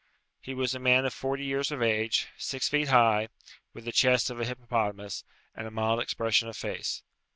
He was a man of forty years of age, six feet high, with the chest of a hippopotamus, and a mild expression of face.